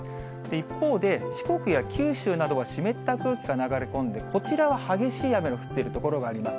一方で、四国や九州などは湿った空気が流れ込んで、こちらは激しい雨が降っている所があります。